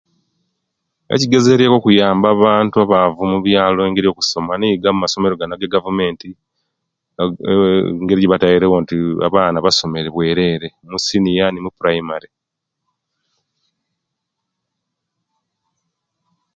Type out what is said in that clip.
Ekigezeryeku okuyamba abantu abaavu mubyaalo engeri yokusoma nigo amasomero ganu aga'gavumenti, eeh engeri yebatairawo nti abaana basomere bweerere, omusiniya ne mupuraimare.